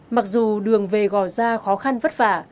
mặc dù đường về gò ra khó khăn vất vả